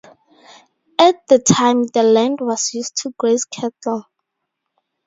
At the time, the land was used to graze cattle.